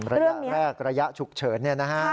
ระยะแรกระยะฉุกเฉิน